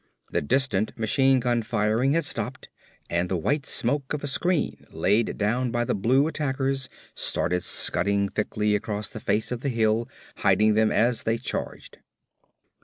The distant machine gun firing had stopped and the white smoke of a screen laid down by the Blue attackers started scudding thickly across the face of the hill, hiding them as they charged.